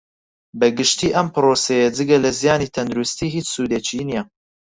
بە گشتی ئەم پڕۆسەیە جگە لە زیانی تەندروستی ھیچ سودێکی نییە